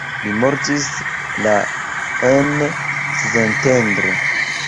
Li mortis la en Szentendre.